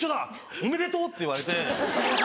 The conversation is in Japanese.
おめでとう」って言われて。